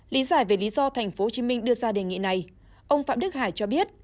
lý giải về lý do tp hcm đưa ra đề nghị này ông phạm đức hải cho biết